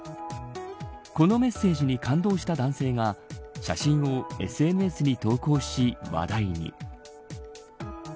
このメッセージに感動した男性が写真をＳＮＳに投稿し話題に。